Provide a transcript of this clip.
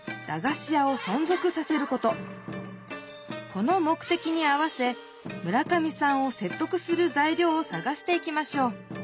この目的に合わせ村上さんを説得する材料をさがしていきましょう。